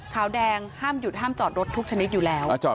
ขาวแดงห้ามหยุดห้ามจอดรถทุกชนิดอยู่แล้ว